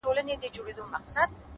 زحمت د ارمانونو ریښې ژوروي!.